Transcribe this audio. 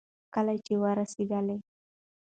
کله چې ورسېدل